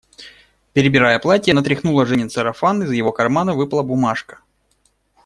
Перебирая платья, она тряхнула Женин сарафан, из его кармана выпала бумажка.